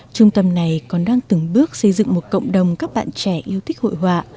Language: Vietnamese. trung tâm này còn đang từng bước xây dựng một cộng đồng các bạn trẻ yêu thích hội họa